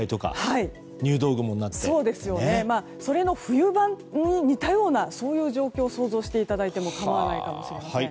それの冬版に似たような状況を想像していただいても構わないかもしれません。